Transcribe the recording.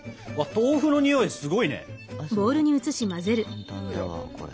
簡単だわこれ。